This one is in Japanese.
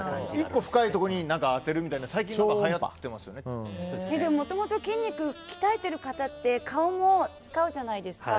１個深いところに当てるみたいなのもともと筋肉鍛えてる方って顔も使うじゃないですか。